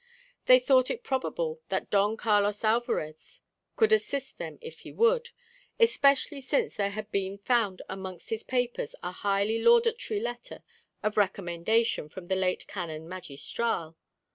They thought it probable that Don Carlos Alvarez could assist them if he would, especially since there had been found amongst his papers a highly laudatory letter of recommendation from the late Canon Magistral.